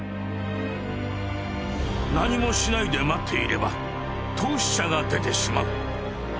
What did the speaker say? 「何もしないで待っていれば凍死者が出てしまう」。